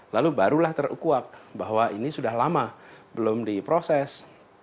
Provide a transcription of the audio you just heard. lalu barulah terukuak bahwa ini sudah lama belum diproses